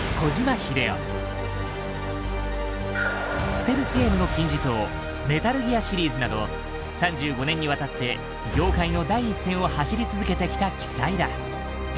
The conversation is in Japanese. ステルスゲームの金字塔「メタルギア」シリーズなど３５年にわたって業界の第一線を走り続けてきた奇才だ。